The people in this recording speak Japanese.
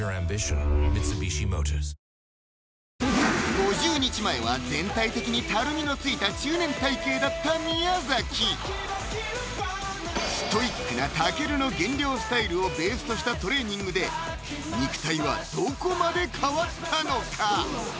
５０日前は全体的にたるみのついた中年体型だった宮崎ストイックな武尊の減量スタイルをベースとしたトレーニングで肉体はどこまで変わったのか？